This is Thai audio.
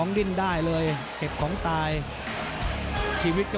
โอ้โหโอ้โหโอ้โหโอ้โห